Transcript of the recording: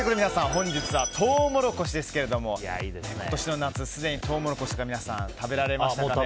本日はトウモロコシですが今年の夏、すでにトウモロコシは皆さん食べられましたかね？